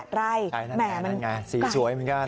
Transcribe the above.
ใช่นั่นไงสีสวยเหมือนกัน